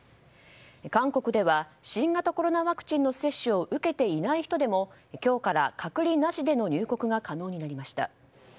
韓国では新型コロナワクチンの接種を受けていない人でも今日から隔離なしでの入国が可能になりました。